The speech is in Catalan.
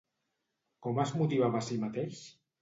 Com es motivava a sí mateix?